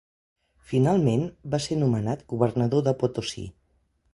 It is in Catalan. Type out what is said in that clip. Finalment va ser nomenat governador de Potosí.